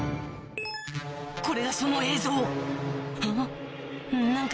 これがその映像うん？